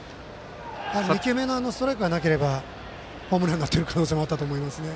２球目のストライクがなければホームランになってた可能性もあったと思いますね。